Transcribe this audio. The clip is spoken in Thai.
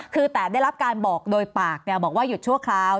คือแต่ได้รับการบอกโดยปากบอกว่าหยุดชั่วคราว